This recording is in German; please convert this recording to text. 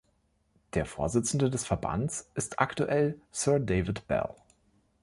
Der Vorsitzende des Verbands ist aktuell Sir David Bell.